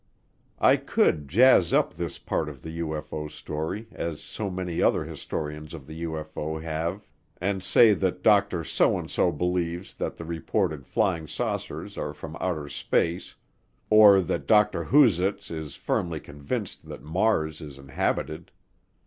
I could jazz up this part of the UFO story as so many other historians of the UFO have and say that Dr. So and So believes that the reported flying saucers are from outer space or that Dr. Whositz is firmly convinced that Mars is inhabited.